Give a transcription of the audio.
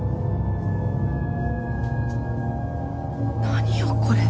何よこれ。